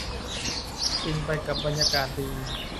ฟินไปกับบรรยากาศดี